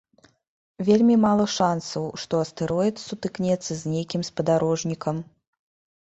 Вельмі мала шансаў, што астэроід сутыкнецца з нейкім спадарожнікам.